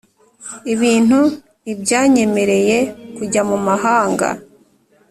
ibintu ntibyanyemereye kujya mu mahanga.